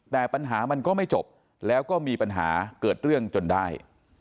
แต่ปัญหามันก็ไม่จบแล้วก็มีปัญหาเกิดเรื่องจนได้